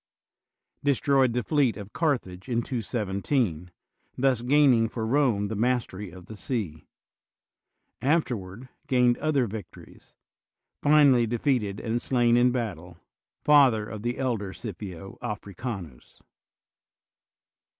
destroyed the fleet of Carthage in 217, thus gaining for Borne the mastery of the sea; afterward gained other Tictories; finally defeated and slain in battle; father of the elder Scipio Africanus.